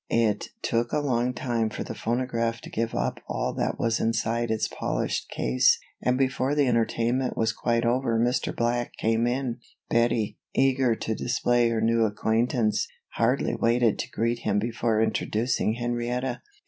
It took a long time for the phonograph to give up all that was inside its polished case, and before the entertainment was quite over Mr. Black came in. Bettie, eager to display her new acquaintance, hardly waited to greet him before introducing Henrietta.